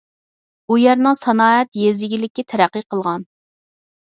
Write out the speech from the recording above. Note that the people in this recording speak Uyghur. ئۇ يەرنىڭ سانائەت، يېزا ئىگىلىكى تەرەققىي قىلغان.